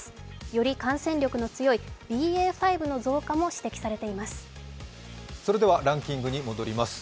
より感染力の強いＢＡ．５の増加も指摘されています。